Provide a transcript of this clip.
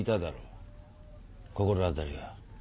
心当たりは？